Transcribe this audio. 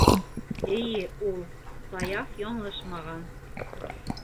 Эйе, ул. Саяф яңылышмаған.